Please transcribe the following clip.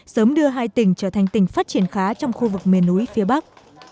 sớm đưa hai tỉnh trở thành tỉnh phát triển khá trong khu vực miền núi phía bắc